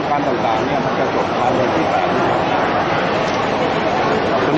อาหรับเชี่ยวจามันไม่มีควรหยุด